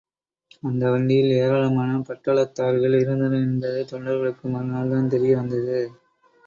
அந்த வண்டியில் ஏராளமான பட்டாளத்தார்கள் இருந்தனர் என்பது தொண்டர்களுக்கு மறுநாள் தான் தெரியவந்தது.